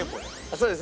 そうですね。